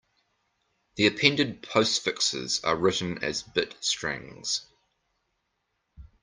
The appended postfixes are written as bit strings.